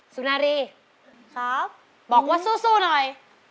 สุนารีครับบอกว่าสู้หน่อย